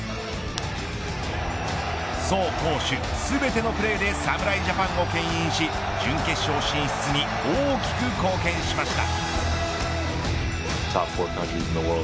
走、攻、守全てのプレーで侍ジャパンをけん引し準決勝進出に大きく貢献しました。